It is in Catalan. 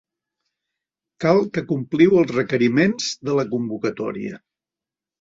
Cal que compliu els requeriments de la convocatòria.